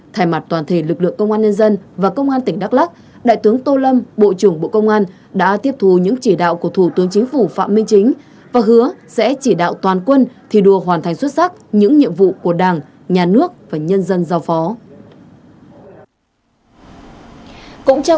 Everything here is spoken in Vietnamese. thay mặt toàn thể lực lượng công an nhân dân và công an tỉnh đắk lắc đại tướng tô lâm bộ trưởng bộ công an đã tiếp thù những chỉ đạo của thủ tướng chính phủ phạm minh chính và hứa sẽ chỉ đạo toàn quân thi đua hoàn thành xuất sắc những nhiệm vụ của đảng nhà nước và nhân dân giao phó